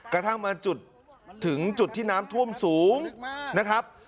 กระทั่งมาจุดถึงจุดที่น้ำท่วมสูงนะครับ